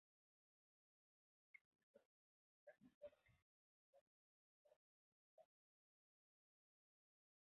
Spinetta toca con una guitarra electroacústica y Torres con el bajo electroacústico.